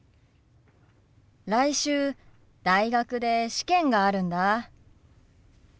来週大学で試験があるんだ。